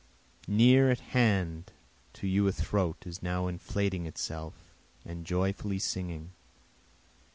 near at hand to you a throat is now inflating itself and joyfully singing.